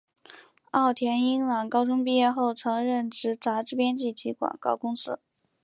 奥田英朗高中毕业后曾任职杂志编辑及广告公司。